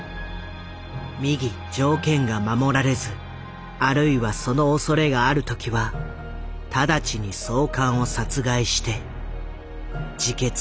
「右条件が守られずあるいはそのおそれがある時はただちに総監を殺害して自決する」。